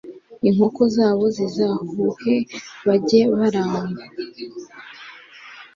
Inkoko zabo zizahuhe Bajye barangwa